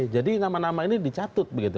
jadi nama nama ini dicatut begitu